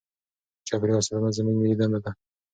چاپیریال ساتنه زموږ ملي دنده ده.